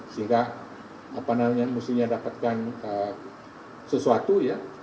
sehingga apa namanya mestinya dapatkan sesuatu ya